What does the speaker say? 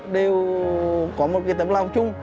đều có một cái tấm lòng chung